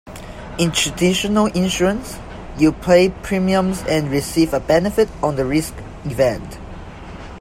In traditional insurance, you pay premiums and receive a benefit on the risk event.